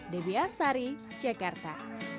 dewi astari cekarta